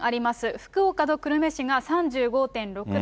福岡の久留米市が３６．５度、